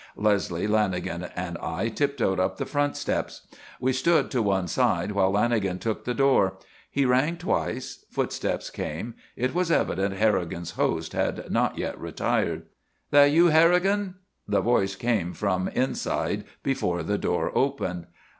Leslie, Lanagan and I tiptoed up the front steps. We stood to one side, while Lanagan took the door. He rang twice. Footsteps came. It was evident Harrigan's host had not yet retired. "That you, Harrigan?" the voice came from inside before the door opened.